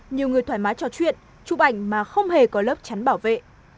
nhiều người thoải mái trò chuyện chụp ảnh mà không hề có lớp chắn bảo vệ